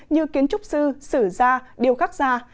như kiến trúc sư sử gia điều khắc gia